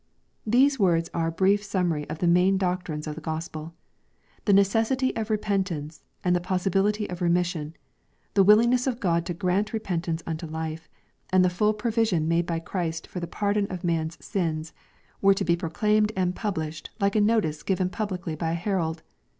] These words are a brief sum mary of the main doctrines of the Q ospeL The necessity of re pentance, and the possibility of remission, — the willingness of God to grant repentance unto life, and the full provision made by Christ for the pardon of man's sins, were to be proclaimed and published like a notice given publicly by a herald.